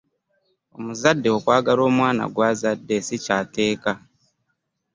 omuzadde okwagala omwana gw'azadde si kya tteeka.